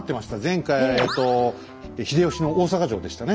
前回えと秀吉の大坂城でしたね。